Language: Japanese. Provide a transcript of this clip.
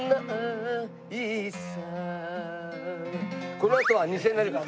このあとは２０００円になるから。